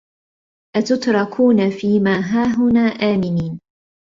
أَتُترَكونَ في ما هاهُنا آمِنينَ